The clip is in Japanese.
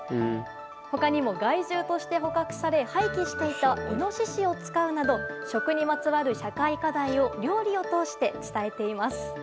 他にも、害獣として捕獲され廃棄していたイノシシを使うなど食にまつわる社会課題を料理を通して伝えています。